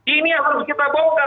ini harus kita bongkar